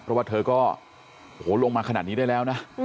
เพราะว่าเธอก็ลงมาขนาดนี้ได้แล้วนะ